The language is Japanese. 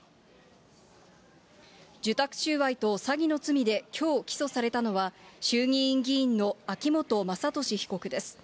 受託収賄と詐欺の罪できょう起訴されたのは、衆議院議員の秋本真利被告です。